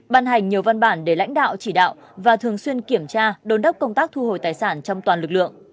ban hành nhiều văn bản để lãnh đạo chỉ đạo và thường xuyên kiểm tra đồn đốc công tác thu hồi tài sản trong toàn lực lượng